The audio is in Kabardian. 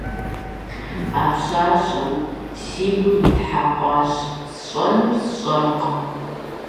А пщащэм си гур итхьэкъуащ, сщӏэнур сщӏэркъым.